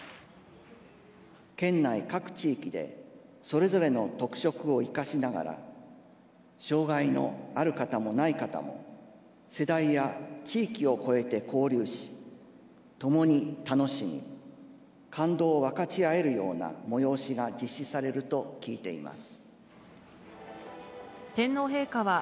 県内各地域で、それぞれの特色を生かしながら、障がいのある方もない方も、世代や地域を超えて交流し、共に楽しみ、感動を分かち合えるような催しが実施されると聞いています。